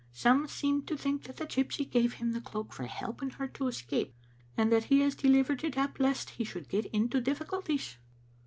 Some seem to think that the gypsy gave him the cloak for helping her to escape, and that he has delivered it up lest he should get into difficulties."